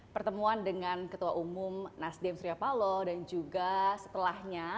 pertemuan dengan ketua umum nasdem suryapalo dan juga setelahnya